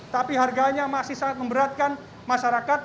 tapi harganya masih sangat memberatkan masyarakat